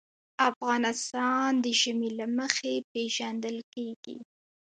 افغانستان د ژمی له مخې پېژندل کېږي.